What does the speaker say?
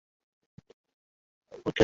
ওর সাথে কথা বলি চলো।